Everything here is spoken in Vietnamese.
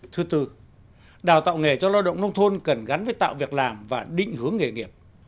thứ tư đào tạo nghề cho lao động nông thôn cần gắn với tạo việc làm và định hướng nghề nghiệp